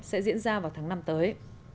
sẽ diễn ra vào tháng năm tới